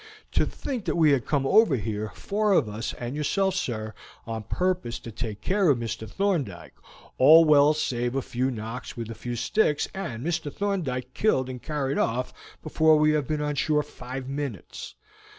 To think that we came over here, four of us, and yourself, sir, on purpose to take care of Mr. Thorndyke, all well save a few knocks with those sticks, and Mr. Thorndyke killed and carried off before we have been on shore five minutes.